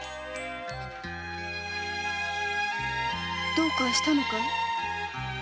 どうかしたのかい？